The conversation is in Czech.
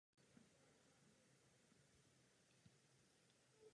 Mortalita je vysoká.